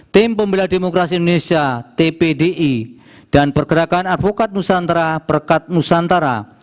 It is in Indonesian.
tim pembela demokrasi indonesia tpdi dan pergerakan advokat nusantara perkat nusantara